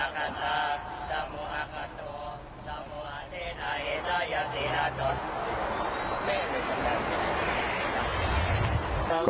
ผมมีเก่า